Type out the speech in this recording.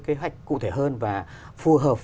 kế hoạch cụ thể hơn và phù hợp